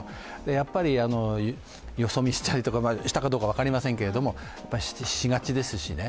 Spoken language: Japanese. やっぱり、よそ見したりとかしたかどうか分かりませんけどしがちですし。